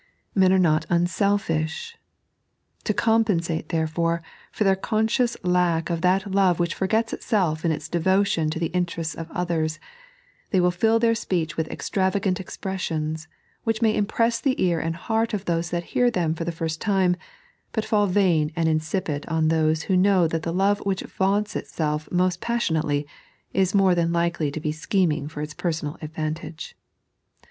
Men are not unadJUh. To compensate, therefore, for their conscious lack of that love which forgets itself in its devotion to the interests of others, they will fill their i<peech with extravagant expressions, which may impress the ear and heart of those that hear them for the first time, but fall vain and insipid on those who know that the love which vaunts itself most passionately is more than likely to be ^^heming for its personal advantage.